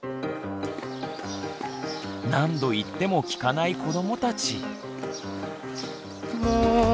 何度言っても聞かない子どもたち。